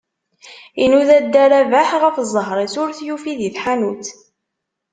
Inuda dda Rabeḥ ɣef ẓẓher-is, ur t-yufi di tḥanut.